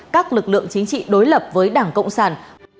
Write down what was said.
các lực lượng chính trị đối lập với đảng cộng sản